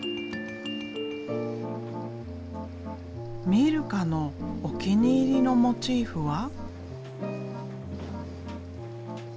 ミルカのお気に入りのモチーフは？